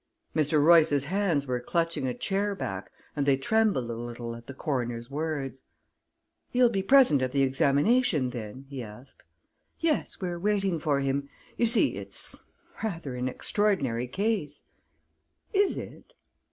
Mr. Royce's hands were clutching a chair back, and they trembled a little at the coroner's words. "He'll be present at the examination, then?" he asked. "Yes, we're waiting for him. You see, it's rather an extraordinary case." "Is it?"